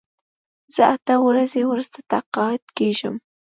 زه اته ورځې وروسته تقاعد کېږم.